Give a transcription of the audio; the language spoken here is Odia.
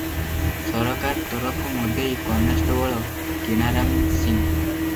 ସରକାର ତରଫ ମୁଦେଇ କନେଷ୍ଟବଳ କିଣାରାମ ସିଂ ।